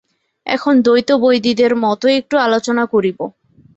এখন দ্বৈতবৈদীদের মত একটু আলোচনা করিব।